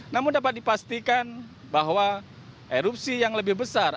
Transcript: namun dapat dipastikan bahwa erupsi yang lebih besar